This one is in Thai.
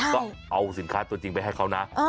ก็เอาสินค้าตัวจริงไปให้เขานะ